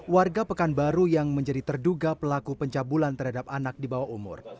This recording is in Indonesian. warga pekanbaru yang menjadi terduga pelaku pencabulan terhadap anak di bawah umur